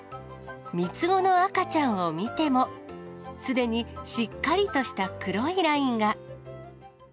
３つ子の赤ちゃんを見ても、すでにしっかりとした黒いラインが。